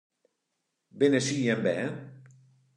Binne sy jim bern?